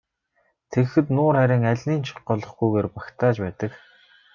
Тэгэхэд нуур харин алиныг нь ч голохгүйгээр багтааж байдаг.